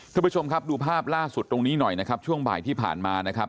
ทุกผู้ชมครับดูภาพล่าสุดตรงนี้หน่อยนะครับช่วงบ่ายที่ผ่านมานะครับ